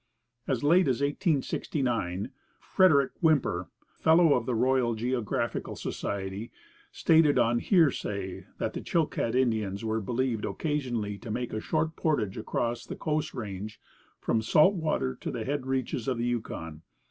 As late as 1869, Frederick Whymper, fellow of the Royal Geographical Society, stated on hearsay that the Chilcat Indians were believed occasionally to make a short portage across the Coast Range from salt water to the head reaches of the Yukon.